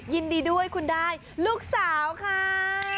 ยินดีด้วยคุณได้ลูกสาวค่ะ